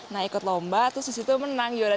nah ikut lomba terus disitu menang juara